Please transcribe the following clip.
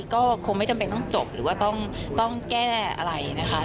ก็คงไม่จำเป็นต้องจบหรือว่าต้องแก้อะไรนะคะ